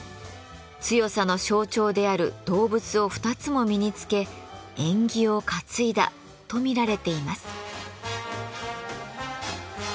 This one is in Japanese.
強さの象徴である動物を２つも身につけ縁起を担いだと見られています。